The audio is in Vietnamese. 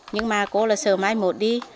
nhưng mà cô là sờ mai một đi